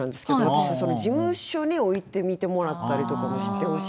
私その事務所に置いてみてもらったりとかしてほしい。